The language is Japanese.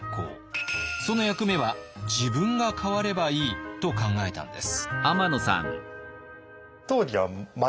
その役目は自分が代わればいい」と考えたんです。